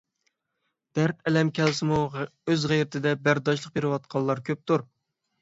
دەرت ئەلەم كەلسىمۇ ئۆز غەيرىتدە بەرداشلىق بىرۋاتقانلار كۆپتۇر